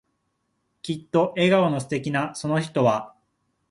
きっと笑顔の素敵なその人は、